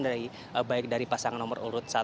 dari baik dari pasangan nomor urut satu